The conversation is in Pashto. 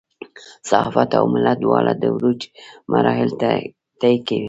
صحافت او ملت دواړه د عروج مراحل طی کوي.